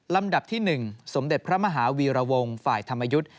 ลำดับที่๑สมเด็จพระมหาวีรวงศ์ฝ่ายธรรมยุทธ์